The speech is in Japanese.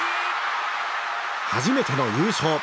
初めての優勝。